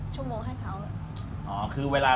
ชั่วโมงให้เขา